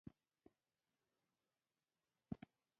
ما خپل مالونه بیرته ترلاسه کړل.